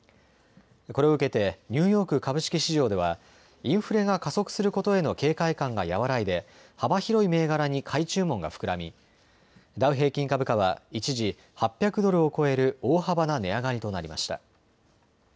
これを受けてニューヨーク株式市場ではインフレが加速することへの警戒感が和らいで幅広い銘柄に買い注文が膨らみダウ平均株価は一時８００ドルを超える大幅な値上がりとなりました。